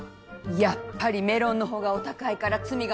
やっぱりメロンのほうがお高いから罪が重いのね。